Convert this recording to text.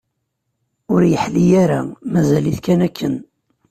Ur yeḥli ara, mazal-it kan akken.